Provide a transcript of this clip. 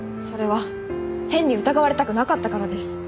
それは変に疑われたくなかったからです。